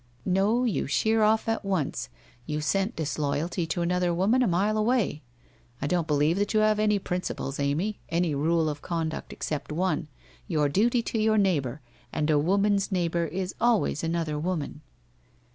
' No, you sheer off at once, you scent disloyalty to an other woman a mile away ! I don't believe that you have any principles, Amy, any rule of conduct, except one, your duty to your neighbour, and a woman's neighbour is al ways another woman.'